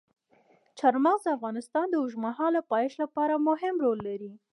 چار مغز د افغانستان د اوږدمهاله پایښت لپاره مهم رول لري.